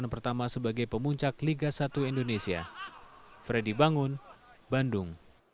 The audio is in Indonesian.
pertama kali persib menang